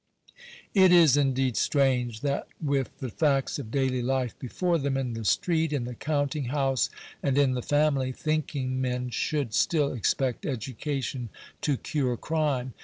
It is, indeed, strange that with the facts of daily life before them in the street, in the counting house, and in the family, thinking men should still expect education to cure crime.